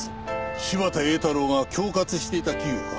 柴田英太郎が恐喝していた企業か？